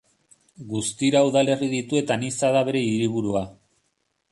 Guztira udalerri ditu eta Niza da bere hiriburua.